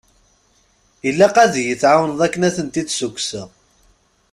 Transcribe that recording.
Ilaq ad yi-tɛawneḍ i wakken ad tent-id-sukkseɣ.